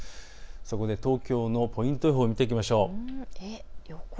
そこで東京のポイント予報、見ていきましょう。